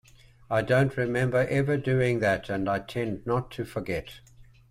I don't remember ever doing that and I tend not to forget.